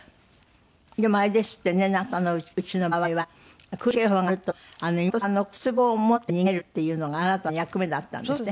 でもあれですってねなんかあなたのうちの場合は空襲警報が鳴ると妹さんの骨つぼを持って逃げるっていうのがあなたの役目だったんですって？